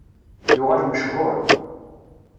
Yuɣal mechuṛ.